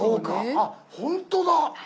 あっほんとだ！